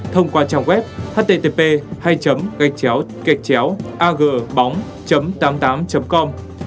thông qua trang web http agbong tám mươi tám com